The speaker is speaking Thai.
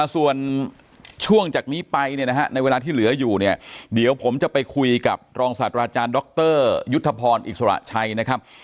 ส่วนช่วงจากนี้ไปเนี่ยนะฮะในเวลาที่เหลืออยู่เนี่ยเดี๋ยวผมจะไปคุยกับรองศาสตราจารย์ดรยุทธพรอิสระชัยนะครับ